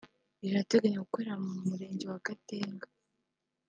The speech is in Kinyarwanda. rirateganya gukorera mu murenge wa Gatenga